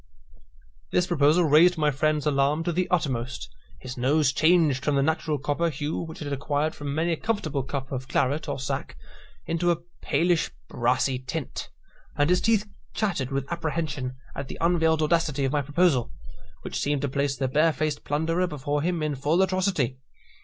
This proposal raised my friend's alarm to the uttermost. His nose changed from the natural copper hue which it had acquired from many a comfortable cup of claret or sack, into a palish brassy tint, and his teeth chattered with apprehension at the unveiled audacity of my proposal, which seemed to place the barefaced plunderer before him in full atrocity.